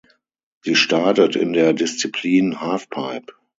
Sie startet in der Disziplin Halfpipe.